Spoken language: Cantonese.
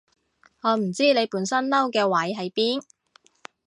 我唔知你本身嬲嘅位喺邊